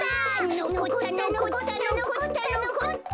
のこったのこったのこったのこった。